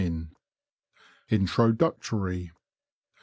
Introductory.